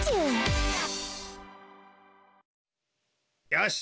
よし！